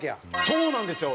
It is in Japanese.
そうなんですよ。